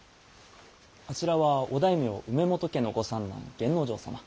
あちらはお大名梅本家のご三男源之丞様。